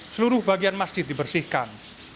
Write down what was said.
seluruh bagian masjid dibersihkan